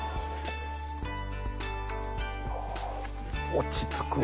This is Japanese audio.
落ち着くわ。